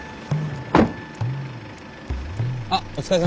あっお疲れさまです。